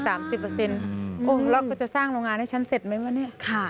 แล้วเขาจะสร้างโรงงานให้ฉันเสร็จไหมวะเนี่ย